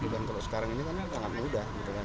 kalau sekarang ini kan sangat mudah